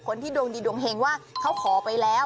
คนที่ดวงดีดวงเฮงว่าเขาขอไปแล้ว